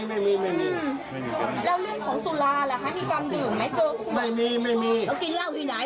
กินเหล้าที่ไหนก็เป็นคนธรรมาดาอย่างนี้ไปกินเลย